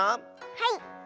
はい。